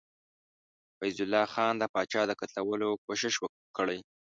فیض الله خان د پاچا د قتلولو کوښښ کړی.